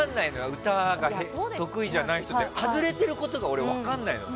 歌が得意じゃない人って外れてることが俺、分からないのね。